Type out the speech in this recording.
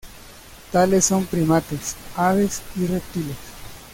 Tales son primates, aves y reptiles.